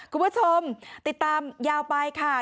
คุณผู้ชมติดตามยาวไปค่ะ